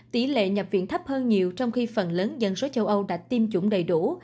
tỷ lệ nhập viện thấp hơn nhiều trong khi phần lớn dân số châu âu đã tiêm chủng đầy đủ